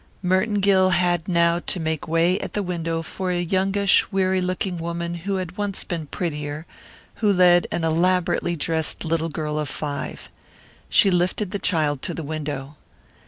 Merton Gill had now to make way at the window for a youngish, weary looking woman who had once been prettier, who led an elaborately dressed little girl of five. She lifted the child to the window.